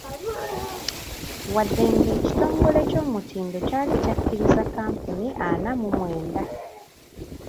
Wadde ng'ekitongole ky’omutindo kyali kyakkiriza kkampuni ana mu mwenda.